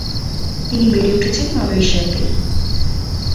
তিনি বেড়ে উঠেছেন মালয়েশিয়াতেই।